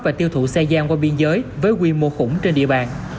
và tiêu thụ xe gian qua biên giới với quy mô khủng trên địa bàn